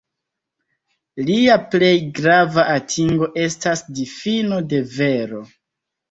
Lia plej grava atingo estas difino de vero.